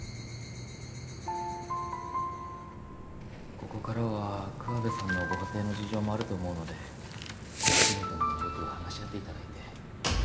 ここからは桑部さんのご家庭の事情もあると思うのでケアチームともよく話し合って頂いて。